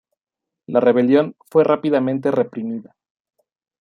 La rebelión fue rápidamente reprimida.